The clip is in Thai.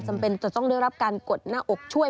จำเป็นจะต้องได้รับการกดหน้าอกช่วย